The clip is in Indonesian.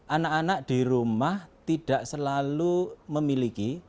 anak anak di rumah tidak selalu memiliki